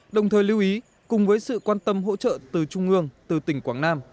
đồng thời lưu ý cùng với sự quan tâm hỗ trợ từ trung ương từ tỉnh quảng nam